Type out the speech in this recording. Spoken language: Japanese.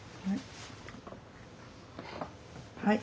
はい。